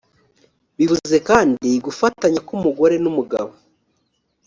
bivuze kandi gufatanya k’umugore n’umugabo